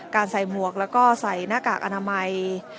ใส่หมวกแล้วก็ใส่หน้ากากอนามัย